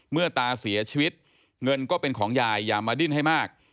เมื่อตาเสียชีวิตเงินก็เป็นของยายอย่ามาดิ้นให้มาก